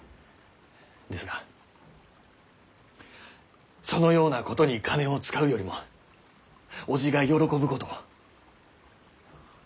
ですがそのようなことに金を使うよりも伯父が喜ぶことを。